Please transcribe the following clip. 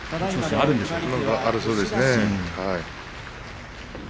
ありそうですね。